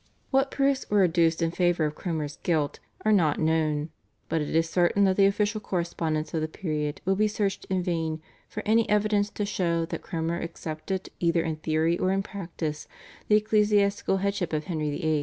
What proofs were adduced in favour of Cromer's guilt are not known, but it is certain that the official correspondence of the period will be searched in vain for any evidence to show that Cromer accepted either in theory or in practice the ecclesiastical headship of Henry VIII.